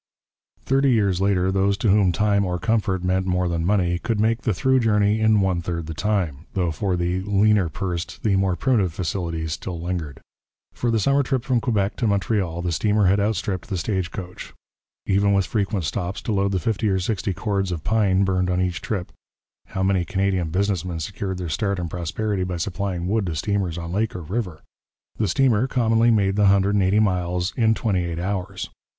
Thirty years later those to whom time or comfort meant more than money could make the through journey in one third the time, though for the leaner pursed the more primitive facilities still lingered. For the summer trip from Quebec to Montreal the steamer had outstripped the stage coach. Even with frequent stops to load the fifty or sixty cords of pine burned on each trip how many Canadian business men secured their start in prosperity by supplying wood to steamers on lake or river! the steamer commonly made the hundred and eighty miles in twenty eight hours.